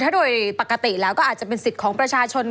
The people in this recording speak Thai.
ถ้าโดยปกติแล้วก็อาจจะเป็นสิทธิ์ของประชาชน